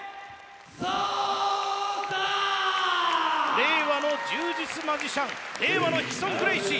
令和の柔術マジシャン令和のヒクソン・グレイシー。